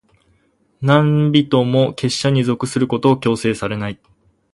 何人も、結社に属することを強制されない。